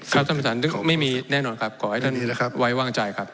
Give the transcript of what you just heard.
ครับท่านพิธาไม่มีแน่นอนครับขอให้ท่านไว้ว่างใจครับ